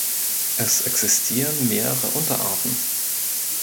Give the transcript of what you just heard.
Es existieren mehrere Unterarten.